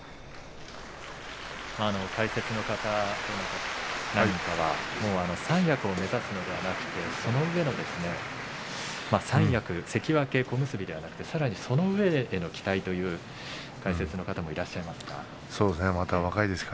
解説の方なんかは三役を目指すのではなくてその上の三役、関脇、小結ではなくてさらにその上への期待という解説の方もいらっしゃいます。